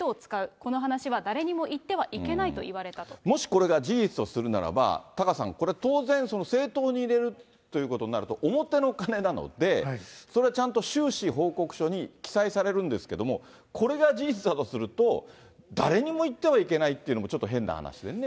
この話は誰にも言ってはいけないもしこれが事実とするならば、タカさん、これ当然、政党に入れるということになると、表の金なので、それはちゃんと収支報告書に記載されるんですけれども、これが事実だとすると、誰にも言ってはいけないっていうのも、ちょっと変な話でね。